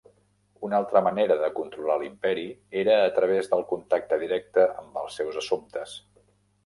Una altra manera de controlar l'Imperi era a través del contacte directe amb els seus assumptes.